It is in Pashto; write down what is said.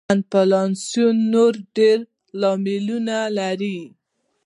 انفلاسیون نور ډېر لاملونه لري.